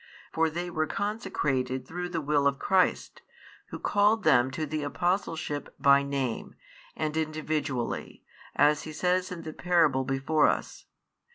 For they were consecrated through the will of Christ, Who |67 called them to the apostleship by name, and individually, as He says in the parable before us.